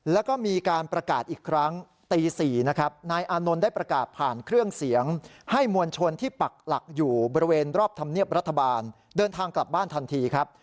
แล้วก็มีการประกาศอีกครั้งตี๔นะครับนายอานนท์ได้ประกาศผ่านเครื่องเสียงให้มวลชนที่ปักหลักอยู่บริเวณรอบธรรมเนียบรัฐบาลเดินทางกลับบ้านทันทีครับ